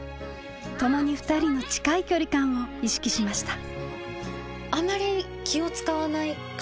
ともに２人の近い距離感を意識しました。